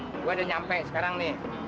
ya gua udah nyampe sekarang nih